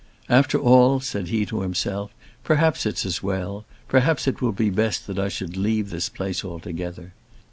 "After all," said he himself, "perhaps it's as well perhaps it will be best that I should leave this place altogether."